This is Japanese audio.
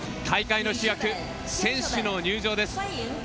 大会の主役、選手の入場です。